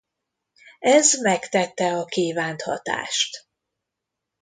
Ez megtette a kívánt hatást.